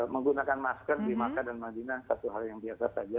menggunakan masker di makkah dan madinah satu hal yang biasa saja